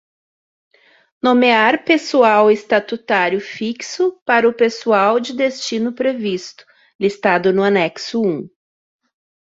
Nomear pessoal estatutário fixo para o pessoal de destino previsto, listado no Anexo I.